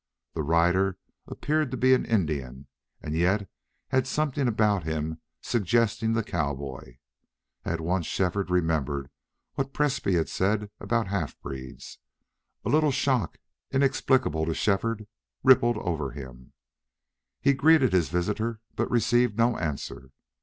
The rider appeared to be an Indian, and yet had something about him suggesting the cowboy. At once Shefford remembered what Presbrey had said about half breeds. A little shock, inexplicable to Shefford, rippled over him. He greeted his visitor, but received no answer.